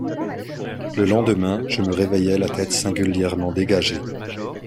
Le lendemain, je me réveillai la tête singulièrement dégagée.